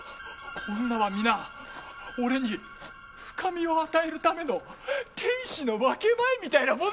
女は皆俺に深みを与えるための天使の分け前みたいなもんだ！